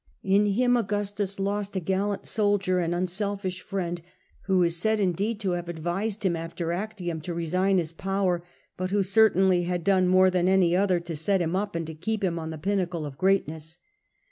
In him Augustus lost a A.D. 14. Augustus. 25 gallant soldier and unselfish friend, who is said, indeed, to have advised him after Actium to resign his power, but who certainly had done more than any other to set him up and to keep him on the pinnacle of greatness.